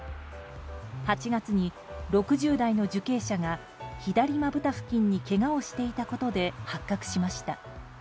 ８月に６０代の受刑者が左まぶた付近にけがをしていたことで発覚しました。